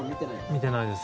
見てないです。